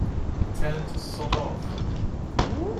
Tell him to Sod Off!